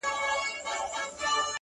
زما خوښيږي پر ماگران دى د سين تـورى;